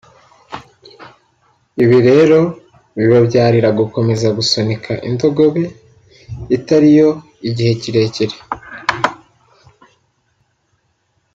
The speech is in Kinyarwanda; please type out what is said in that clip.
Ibi rero bibabyarira gukomeza gusunika indogobe itari yo igihe kirekire